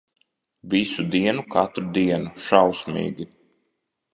Visu dienu, katru dienu. Šausmīgi.